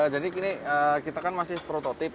jadi ini kita kan masih prototip